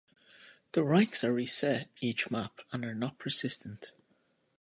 The ranks are reset each map and are not persistent.